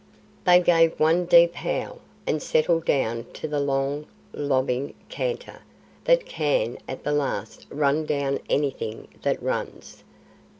They gave one deep howl, and settled down to the long, lobbing canter that can at the last run down anything that runs.